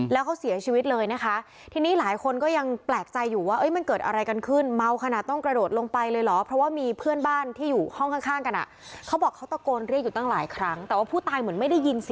แล้วก็ชูไม้ชูมือบอกเพื่อนด้วยนะว่า